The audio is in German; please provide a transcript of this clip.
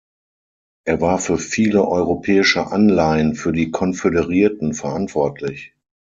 Er war für viele europäische Anleihen für die Konföderierten verantwortlich.